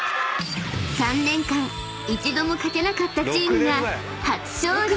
［３年間一度も勝てなかったチームが］